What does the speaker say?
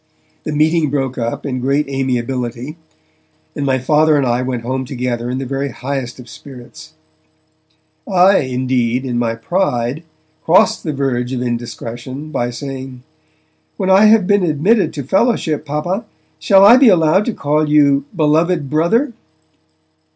The meeting broke up in great amiability, and my Father and I went home together in the very highest of spirits. I, indeed, in my pride, crossed the verge of indiscretion by saying: 'When I have been admitted to fellowship, Papa, shall I be allowed to call you "beloved Brother"?'